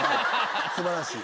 素晴らしい。